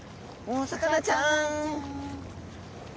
お魚ちゃん。